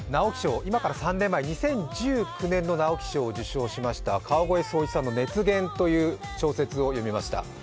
今から３年前、２０１９年の直木賞を受賞しました川越宗一さんの「熱源」という小説を読みました。